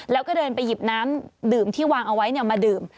แล้วก็เดินไปหยิบน้ำดื่มที่วางเอาไว้มาดื่ม